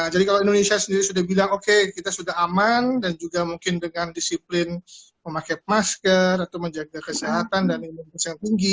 kalau indonesia sendiri sudah bilang oke kita sudah aman dan juga mungkin dengan disiplin memakai masker atau menjaga kesehatan dan imunitas yang tinggi